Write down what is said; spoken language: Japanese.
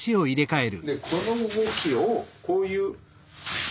でこの動きをこういう。